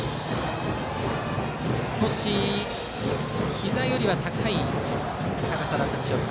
ひざよりは高い高さだったでしょうか。